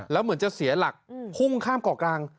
แล้วเหมือนจะเสียหลักพุ่งข้ามเกาะกลาง